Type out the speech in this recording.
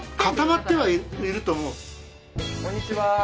こんにちは。